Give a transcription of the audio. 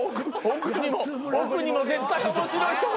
奥にも絶対面白い人が。